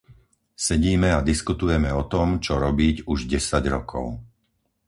Sedíme a diskutujeme o tom, čo robiť, už desať rokov.